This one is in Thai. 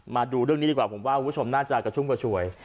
มาดูเรื่องนี้ดีกว่าผมว่าคุณผู้ชมน่าจะกระชุ่มกระชวย